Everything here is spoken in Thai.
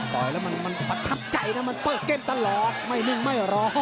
ต่อยแล้วมันประทับใจนะมันเปิดเกมตลอดไม่นิ่งไม่รอ